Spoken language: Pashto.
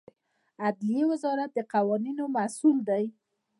عدلیې وزارت د قوانینو مسوول دی